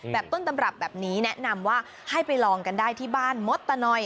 ต้นตำรับแบบนี้แนะนำว่าให้ไปลองกันได้ที่บ้านมดตะนอย